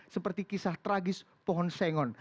seperti kisah tragis pohon sengon